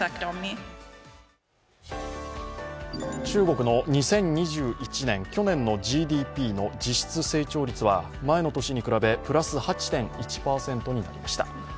中国の２０２１年、去年のＧＤＰの実質成長率は前の年に比べプラス８．１％になりました。